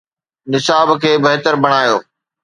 نصاب کي بهتر بڻايو.